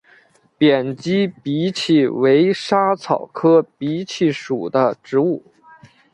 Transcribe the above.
扁基荸荠为莎草科荸荠属的植物。